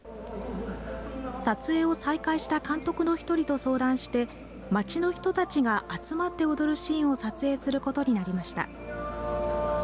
撮影を再開した監督の１人と相談して、街の人たちが集まって踊るシーンを撮影することになりました。